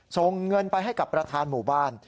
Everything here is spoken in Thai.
ส่งเงินไปให้กับประธานหมู่บ้าน